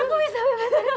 aku bisa bebasin kamu